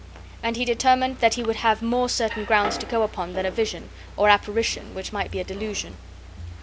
And he determined that he would have more certain grounds to go upon than a vision, or apparition, which might be a delusion.